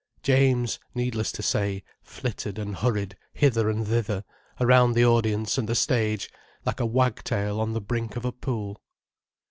James, needless to say, flittered and hurried hither and thither around the audience and the stage, like a wagtail on the brink of a pool.